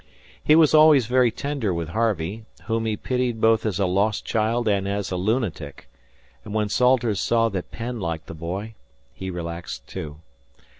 He was always very tender with Harvey, whom he pitied both as a lost child and as a lunatic; and when Salters saw that Penn liked the boy, he relaxed, too.